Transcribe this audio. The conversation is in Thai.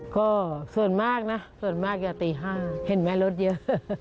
ก็ส่วนมากนะส่วนมากจะตี๕เห็นไหมรถเยอะ